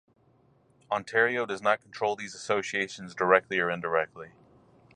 Ontario does not control these associations directly or indirectly.